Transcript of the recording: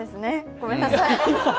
ごめんなさい。